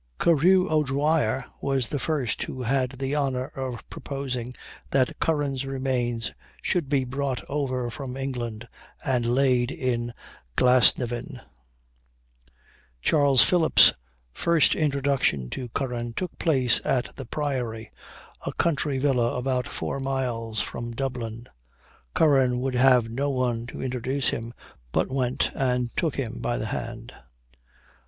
Carew O'Dwyer was the first who had the honor of proposing that Curran's remains should be brought over from England and laid in Glasnevin. Charles Phillips' first introduction to Curran took place at the Priory, a country villa about four miles from Dublin. Curran would have no one to introduce him, but went and took him by the hand.